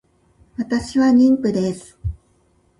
私は妊婦です